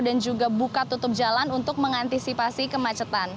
dan juga buka tutup jalan untuk mengantisipasi kemacetan